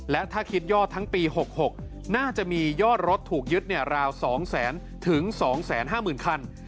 และถ้าคิดยอดทั้งปี๖๖น่าจะมียอดรถถูกยึดราว๒๐๐๐๒๕๐๐๐คัน